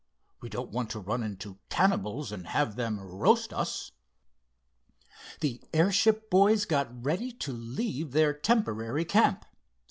We don't want to run into cannibals and have them roast us." The airship boys got ready to leave their temporary camp.